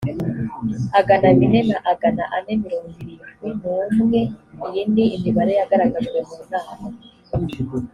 agana bine na agana ane mirongo irindwi n umwe iyi ni imibare yagaragajwe munama